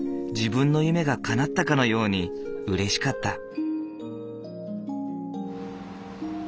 自分の夢がかなったかのようにうれしかった。